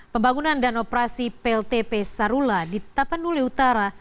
pembangunan dan operasi pltp sarula di tapanuli utara